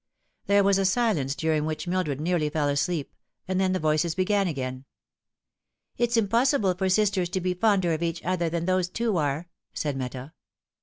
There was a silence during which Mildred nearly fell asleep ; and then the voices began again. " It's impossible for sisters to bo fonder of each other than those two are," said Meta.